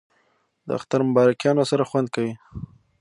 د اختر مبارکیانو سره خوند کوي